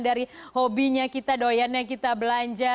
dari hobinya kita doyannya kita belanja